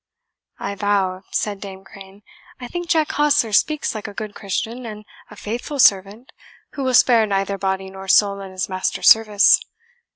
"I vow," said Dame Crane, "I think Jack Hostler speaks like a good Christian and a faithful servant, who will spare neither body nor soul in his master's service.